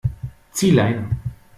Zieh Leine!